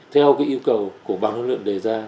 theo yêu cầu của bàn huấn luyện đề ra